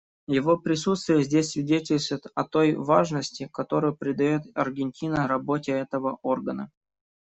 Его присутствие здесь свидетельствует о той важности, которую придает Аргентина работе этого органа.